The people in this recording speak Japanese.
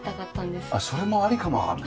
あっそれもありかもわかんないな。